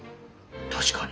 確かに。